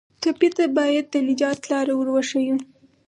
ټپي ته باید د نجات لاره ور وښیو.